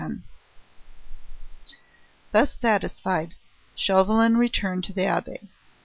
X Thus satisfied, Chauvelin returned to the Abbaye.